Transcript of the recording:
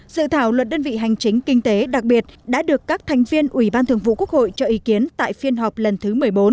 dự thảo luật đơn vị hành chính kinh tế đặc biệt đã được các thành viên ủy ban thường vụ quốc hội cho ý kiến tại phiên họp lần thứ một mươi bốn